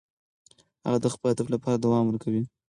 هغه د خپل هدف لپاره دوام ورکوي.